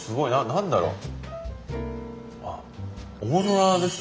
何だろう。